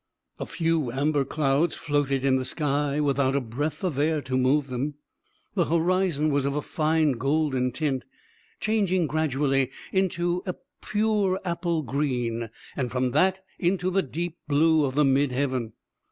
A few amber clouds floated in the sky, without a breath of air to move them. The horizon was of a fine golden tint, changing gradually into a pure apple green, and from that into the deep blue of the mid heaven.